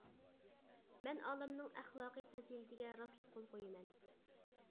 مەن ئالىمنىڭ ئەخلاقى پەزىلىتىگە راسلا قول قۇيىمەن!